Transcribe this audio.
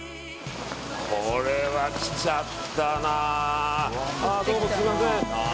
これは来ちゃったな。